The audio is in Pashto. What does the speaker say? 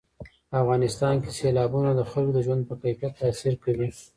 په افغانستان کې سیلابونه د خلکو د ژوند په کیفیت تاثیر کوي.